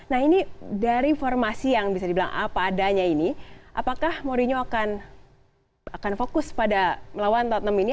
nah ini dari formasi yang bisa dibilang apa adanya ini apakah mourinho akan fokus pada melawan tottenham ini